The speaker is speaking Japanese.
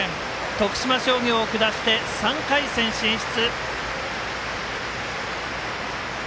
徳島商業を下して３回戦進出。